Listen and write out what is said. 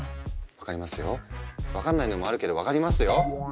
分かりますよ分かんないのもあるけど分かりますよ。